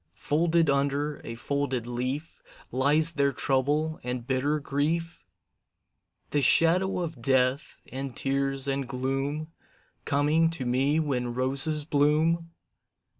Folded under a folded leaf, Lies there trouble and bitter grief? The shadow of death, and tears, and gloom Coming to me when roses bloom?